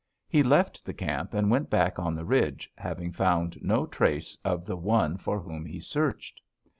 He left the camp and went back on the ridge, having found no trace of the one for whom he searched.